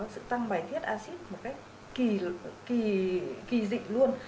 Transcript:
sự tăng bài thiết axit một cách kỳ dịnh luôn